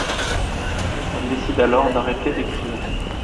Elle décide alors d'arrêter d'écrire.